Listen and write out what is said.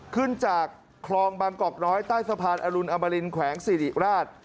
ขึ้นจากคลองบางกอกน้อยใต้สะพานอรุณอมรินแขวงสิริราช